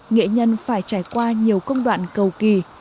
nghệ nhân phải trải qua nhiều công đoạn cầu kỳ